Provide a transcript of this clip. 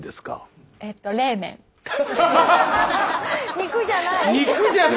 肉じゃない！